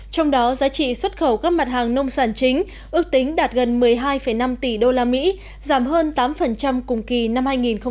trong đó giá trị xuất khẩu các mặt hàng nông sản chính ước tính đạt gần một mươi hai năm tỷ usd giảm hơn tám cùng kỳ năm hai nghìn một mươi tám